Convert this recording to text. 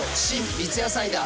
三ツ矢サイダー』